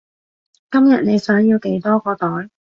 今日你想要幾多個袋？